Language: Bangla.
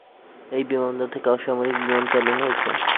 এই বিমানবন্দর থেকে অসামরিক বিমান পরিবহন চালু রয়েছে।